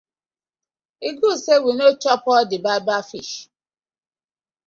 E good say we no go chop all the bad bad fish.